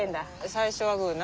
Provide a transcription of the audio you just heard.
最初はグーな。